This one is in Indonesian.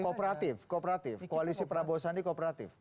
kooperatif kooperasi prabowo sandi kooperatif